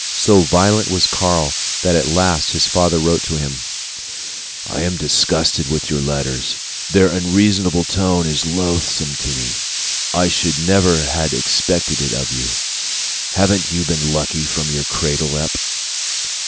So violent was Karl that at last his father wrote to him: I am disgusted with your letters. Their unreasonable tone is loathsome to me. I should never had expected it of you. Haven't you been lucky from your cradle up?